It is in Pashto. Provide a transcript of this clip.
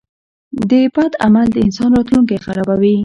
• بد عمل د انسان راتلونکی خرابوي.